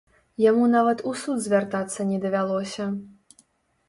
Яму нават у суд звяртацца не давялося.